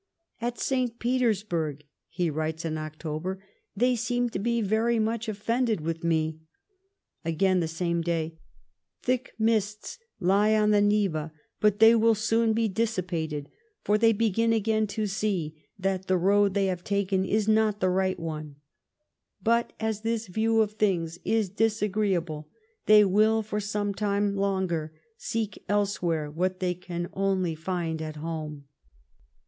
"At St. Petersburg:," he writes in October, " tliey seem to be very much offended with inc." Again, the same day :" Thick mists lie on the Neva, but they will soon be dissipated, for they begin again to see that the road they liave taken is not the right one ; but as tliis view of things is disagrecabh', they will for some time longer seek elsewhere what they can only find at home."